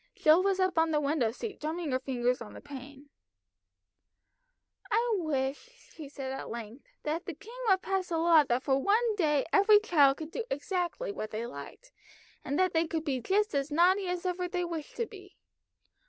Jill was up on the window seat drumming her fingers on the pane. "I wish," she said at length, "that the king would pass a law that for one day every child could do exactly what they liked, that they could be just as naughty as ever they wished to be.